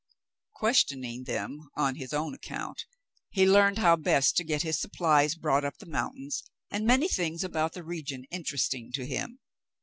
Questioning them on his own account, he learned how best to get his supplies brought up the mountains, and many things about the region interesting to him.